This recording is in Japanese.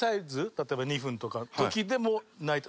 例えば２分とかの時でも泣いて。